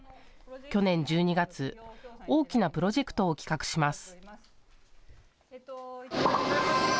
去年１２月、大きなプロジェクトを企画します。